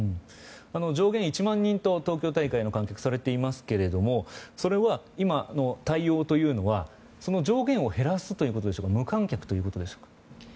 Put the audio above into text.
上限１万人と東京大会の観客はされていますがそれは、今の対応とはその上限を減らすということか無観客ということでしょうか。